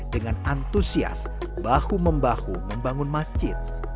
dengan antusias bahu membahu membangun masjid